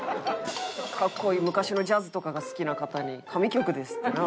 格好いい昔のジャズとかが好きな方に「神曲です」ってな。